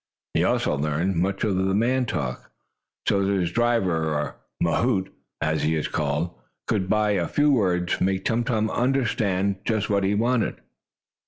He also learned much of the man talk, so that his driver, or mahoot, as he is called, could, by a few words, make Tum Tum understand just what was wanted.